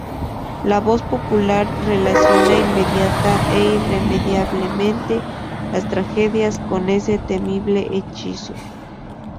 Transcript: La voz popular relaciona inmediata e irremediablemente, las tragedias con este temible hechizo.